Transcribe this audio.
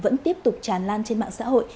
vẫn tiếp tục tràn lan trên mạng xã hội